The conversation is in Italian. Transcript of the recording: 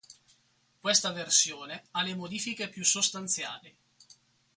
Questa versione ha le modifiche più sostanziali.